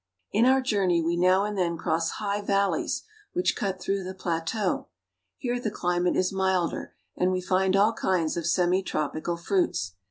In our journey we now and then cross high val leys which cut through the pla teau. Here the cHmate is milder, and we find all kinds of semi tropical fruits.